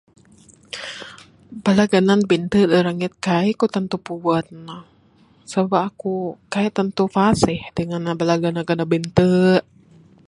Bala ganan binte da rangit kaik ku tantu puan ne, sabab aku kaik tantu fasih dengan bala ganan-ganan binte.